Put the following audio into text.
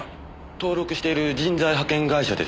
登録している人材派遣会社です。